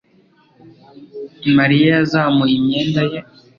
mariya yazamuye imyenda ye